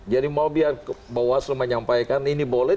jadi mau biar mbak waslu menyampaikan ini boleh